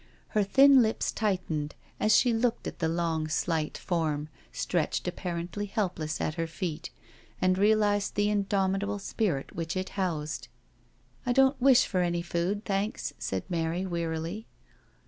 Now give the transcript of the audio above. Her thin lips tightened as she looked at the long slight form stretched apparently helpless at her feet, and realised the in domitable spirit which it housed. " I don't wish for any food, thanks," said Mary wearily.